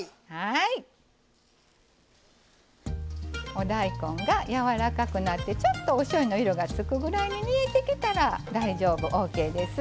お大根が柔らかくなってちょっとおしょうゆの色がつくぐらいに煮えてきたら大丈夫ＯＫです。